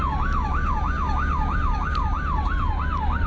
คุณผู้ชมครับไอ้หนุ่มพวกนี้มันนอนปาดรถพยาบาลครับ